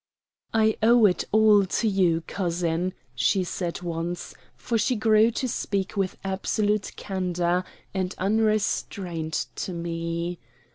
"I owe it all to you, cousin," she said once, for she grew to speak with absolute candor and unrestraint to me.